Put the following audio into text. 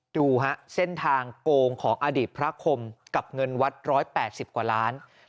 ดูฮะเส้นทางโกงของอดีตพระคมกับเงินวัด๑๘๐กว่าล้าน